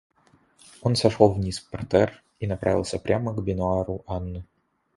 Он сошел вниз в партер и направился прямо к бенуару Анны.